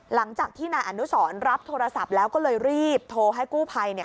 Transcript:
หลังจากที่นายอนุสรรับโทรศัพท์แล้วก็เลยรีบโทรให้กู้ภัยเนี่ย